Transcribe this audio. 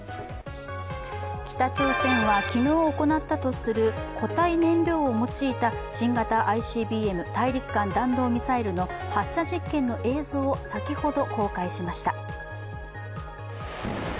北朝鮮は昨日行ったとする固体燃料を用いた新型ＩＣＢＭ＝大陸間弾道ミサイルの発射実験の映像を先ほど公開しました。